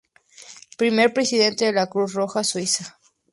Primer presidente de la Cruz Roja Suiza.